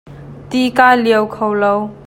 Ti kaa liau kho lo.